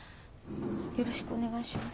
よろしくお願いします。